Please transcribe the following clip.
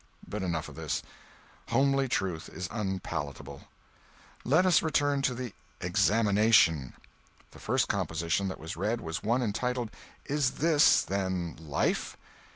But enough of this. Homely truth is unpalatable. Let us return to the "Examination." The first composition that was read was one entitled "Is this, then, Life?"